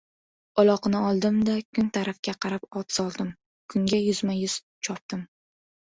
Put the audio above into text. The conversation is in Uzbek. Uloqni oldim-da, kun tarafga qarab ot soldim. Kunga yuzma-yuz chopdim.